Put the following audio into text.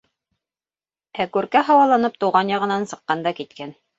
Ә Күркә һауаланып тыуған яғынан сыҡҡан да киткән.